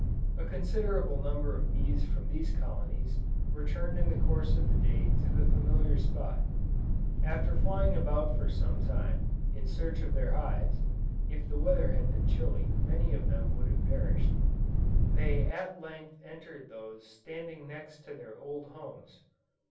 A considerable number of bees from these colonies, returned in the course of the day to the familiar spot; after flying about for some time, in search of their hives, (if the weather had been chilly many of them would have perished,) they at length entered those standing next to their old homes.